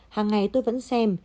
hàng ngày tôi vẫn xem